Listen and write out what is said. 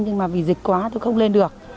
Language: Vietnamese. nhưng mà vì dịch quá tôi không lên được